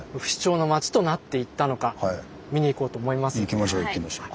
行きましょう行きましょう。